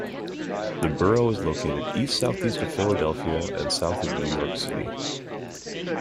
The borough is located east-southeast of Philadelphia and south of New York City.